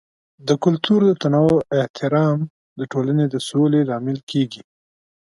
د کلتور د تنوع احترام د ټولنې د سولې لامل کیږي.